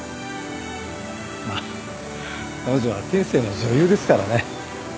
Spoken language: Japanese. まあ彼女は天性の女優ですからね。